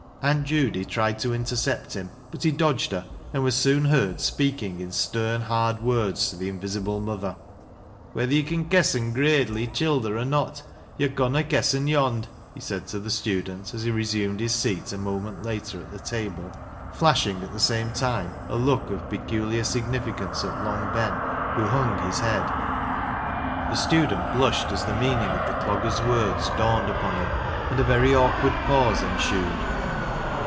Aunt Judy tried to THE STUDENT 29 intercept him, but he dodged her, and was soon heard speaking in stern, hard words to the invisible mother. " Whether yo' con kessen gradely childer or not, yo' conna kessen yond','' he said to the student as he resumed his seat a moment later at the table, flashing at the same time a look of peculiar significance at Long Ben, who hung his head. The student blushed as the meaning of the dogger's words dawned upon him, and a very awkward pause ensued.